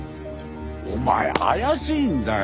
お前怪しいんだよ！